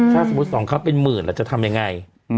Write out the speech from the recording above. ถ้าสมมุติสองเขาเป็นหมื่นเราจะทำยังไง